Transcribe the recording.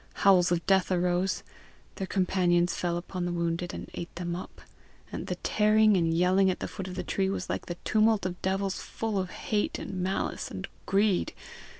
Howls of death arose. Their companions fell upon the wounded, and ate them up. The tearing and yelling at the foot of the tree was like the tumult of devils full of hate and malice and greed.